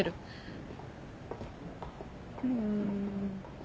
うん。